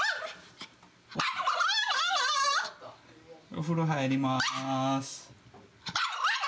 お風呂入りまーす。